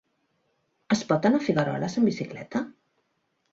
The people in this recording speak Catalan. Es pot anar a Figueroles amb bicicleta?